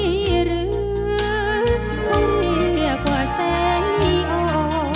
หรือเขาเรียกว่าแสงนี่อ่อน